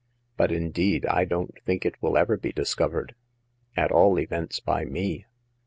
But indeed I don't think it will ever be discovered— at all events by me.